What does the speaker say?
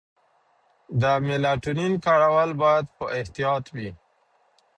د میلاټونین کارول باید په احتیاط وي.